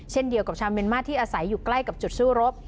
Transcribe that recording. เช่นเดียวกับชาวเมียนมาที่อาศัยอยู่ใกล้กับจุดสู้รบ